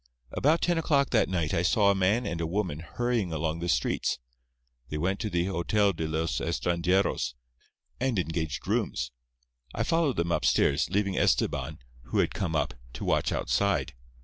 About ten o'clock that night I saw a man and a woman hurrying along the streets. They went to the Hotel de los Estranjeros, and engaged rooms. I followed them upstairs, leaving Estebán, who had come up, to watch outside.